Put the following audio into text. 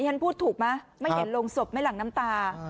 อิงกัลพูดถูกมั้ยไม่เห็นลงศพไม่หลั่งน้ำตา